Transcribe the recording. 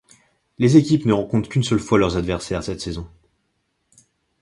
Les équipes ne rencontrent qu'une seule fois leurs adversaires cette saison.